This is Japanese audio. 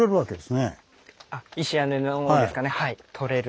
はい。